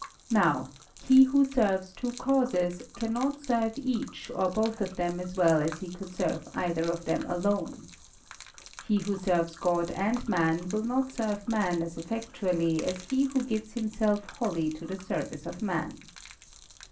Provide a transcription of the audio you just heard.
Now, he who serves two causes cannot serve each or both of them as well as he could serve either of them alone. He who serves God and Man will not serve Man as effectually as he who gives himself wholly to the service of Man.